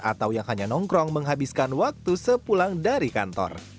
atau yang hanya nongkrong menghabiskan waktu sepulang dari kantor